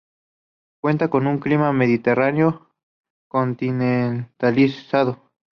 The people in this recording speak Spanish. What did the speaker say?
Cuenta con un clima mediterráneo continentalizado.